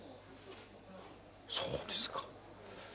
そうですか。